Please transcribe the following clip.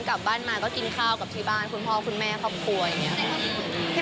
กลับบ้านมาก็กินข้าวกับที่บ้านคุณพ่อคุณแม่ครอบครัวอย่างนี้ค่ะ